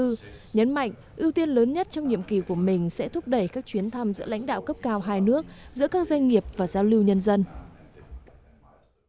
đại sứ đan mạch kim ho lun chris tencent cho biết hiện có nhiều công ty của đan mạch mong muốn sang việt nam tìm hiểu cơ hội hợp tác đầu tư